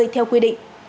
và quyết định